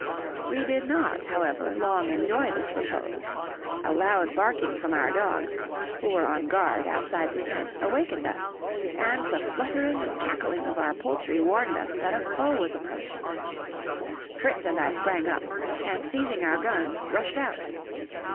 We did not, however, long enjoy this repose; a loud barking from our dogs, who were on guard outside the tent, awakened us, and the fluttering and cackling of our poultry warned us that a foe was approaching. Fritz and I sprang up, and seizing our guns rushed out.